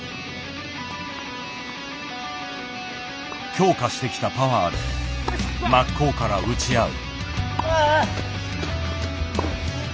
強化してきたパワーで真っ向から打ち合う。